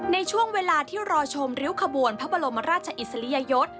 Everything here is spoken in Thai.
ในช่วงเวลาที่รอชมริ้วขบวนพระบรมราชอิสริยยศ